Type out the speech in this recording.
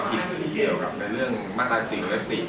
คือตอนแรก